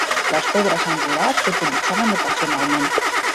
Les pedres angulars s'utilitzaven ocasionalment.